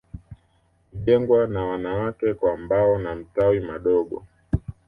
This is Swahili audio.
Hujengwa na wanawake kwa mbao na mtawi madogo